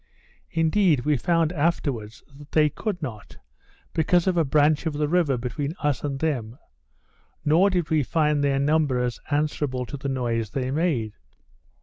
Indeed we found afterwards that they could not, because of a branch of the river between us and them, nor did we find their numbers answerable to the noise they made.